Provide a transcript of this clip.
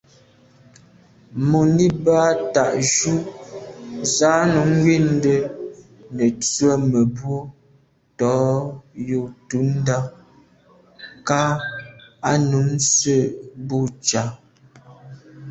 Mùní bə́ á tá'’jú zǎ nunm wîndə́ nə̀ tswə́ mə̀bró tɔ̌ yù tǔndá kā á nun sə̂' bû ncà.